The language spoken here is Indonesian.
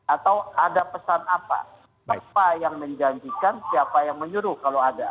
atau ada pesan apa apa yang menjanjikan siapa yang menyuruh kalau ada